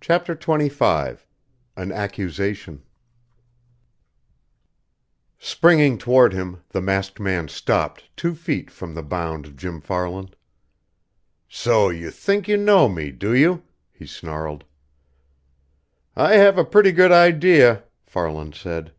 CHAPTER XXV AN ACCUSATION Springing toward him, the masked man stopped two feet from the bound Jim Farland. "So you think you know me, do you?" he snarled. "I have a pretty good idea," Farland said.